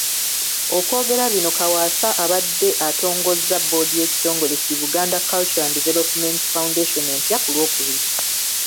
Okwogera bino Kaawaasa abadde atongozza boodi y’ekitongole ki Buganda Cultural And Development Foundation empya ku Lwokubiri.